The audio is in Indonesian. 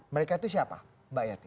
mereka itu siapa mbak yati